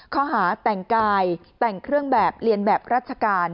ข้อหาแต่งกายแต่งเครื่องแบบเรียนแบบราชการ